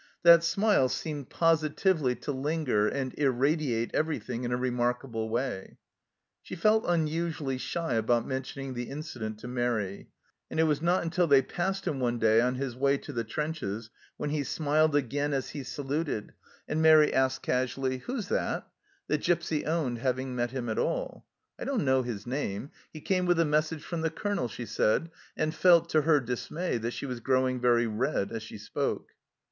That smile seemed 144 THE CELLAR HOUSE OF PERVYSE positively to linger and irradiate everything in a remarkable way ! She felt unusually shy about mentioning the incident to Mairi, and it was not until they passed him one day on his way to the trenches, when he smiled again as he saluted, and Mairi asked casually, " Who's that ?" that Gipsy owned having met him at all. " I don't know his name ; he came with a mes sage from the Colonel," she said, and felt, to her dismay, that she was growing very red as she spoke.